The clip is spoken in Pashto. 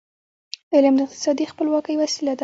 علم د اقتصادي خپلواکی وسیله ده.